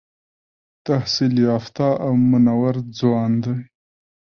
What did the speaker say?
تحصیل یافته او منور ځوان دی.